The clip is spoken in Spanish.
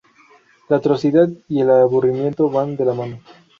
La atrocidad y el aburrimiento van de la mano".